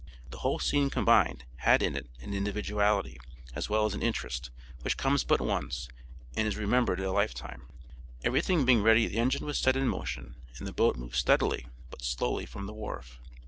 The whole scene combined had in it an individuality, as well as an interest, which comes but once, and is remembered a lifetime. Everything being ready the engine was set in motion, and the boat moved steadily but slowly from the wharf.